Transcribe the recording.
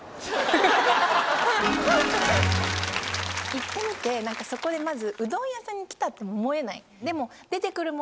行ってみて何かそこでまず。